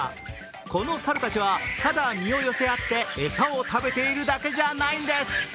この猿たちは、ただ身を寄せ合って餌を食べているだけじゃないんです。